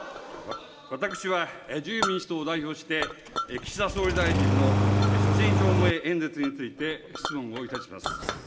私は自由民主党を代表して、岸田総理大臣の所信表明演説について質問をいたします。